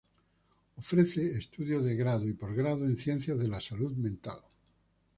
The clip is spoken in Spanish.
Ofrece estudios de grado y posgrado en ciencias de la salud mental.